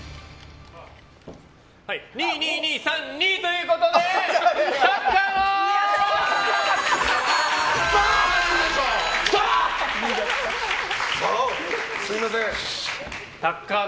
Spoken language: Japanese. ２、２、２、３、２ということでタッカーノ！